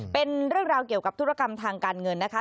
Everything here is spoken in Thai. เป็นเรื่องราวเกี่ยวกับธุรกรรมทางการเงินนะคะ